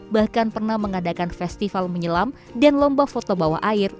bahkan pernah mengadakan festival menyelam dan lomba foto bawah air